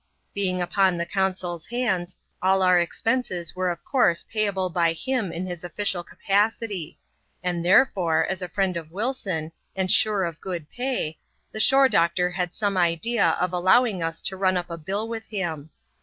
Being upon the consuFs hands, all our expenses were of course payable by him in his official capacity ; and, therefore, as a friend of Wilson, and sure of good pay, the shore doctor had some idea of allowing us to run up a bill with him.